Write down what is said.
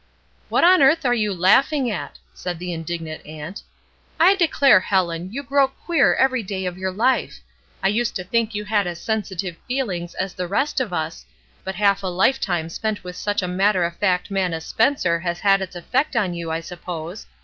"What on earth are you laughing at?'' said the indignant aimt. ''I declare, Helen, you grow queer every day of your Ufe ! I used to think you had as sensitive feelings as the rest of us, but half a Ufetime spent with such a matter of fact man as Spencer has had its effect on you, I suppose.